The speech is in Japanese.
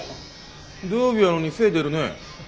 土曜日やのに精出るね。